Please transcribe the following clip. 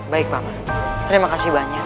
baik bapak terima kasih banyak